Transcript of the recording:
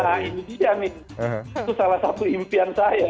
karena ini dia nih itu salah satu impian saya